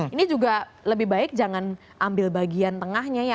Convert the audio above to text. ini juga lebih baik jangan ambil bagian tengahnya ya